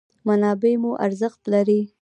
منابع مو ارزښت لري.